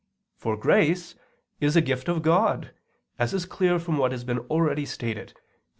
For grace is a gift of God, as is clear from what has been already stated (Q.